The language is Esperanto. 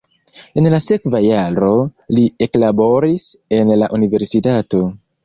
En la sekva jaro li eklaboris en la universitato.